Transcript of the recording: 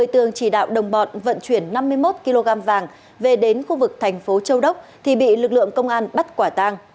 tường chỉ đạo đồng bọn vận chuyển năm mươi một kg vàng về đến khu vực thành phố châu đốc thì bị lực lượng công an bắt quả tang